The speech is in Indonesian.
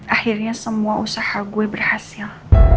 akhirnya semua usaha gue berhasil